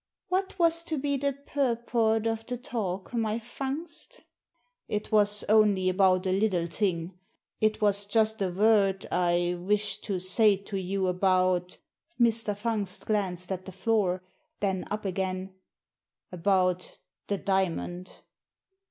"What was to be the purport of the talk, my Fungst?" " It was only about a little thing. It was just a word I wished to say to you about" — Mr. Fungst glanced at the floor, then up again — "about the diamond."